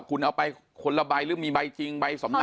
คุณเอาไปคนละใบหรือมีใบจริงใบสำนา